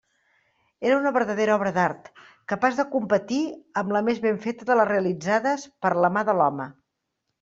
Era una verdadera obra d'art, capaç de competir amb la més ben feta de les realitzades per la mà de l'home.